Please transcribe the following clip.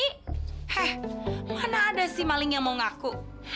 hei mana ada sih maling yang mau ngaku